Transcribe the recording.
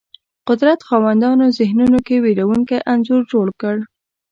قدرت خاوندانو ذهنونو کې وېرونکی انځور جوړ کړ